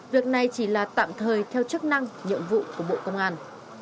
việc này chỉ là tạm thời theo chức năng nhiệm vụ của bộ công an